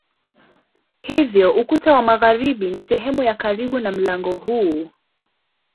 Hivyo ukuta wa magharibi ni sehemu ya karibu na mlango huu.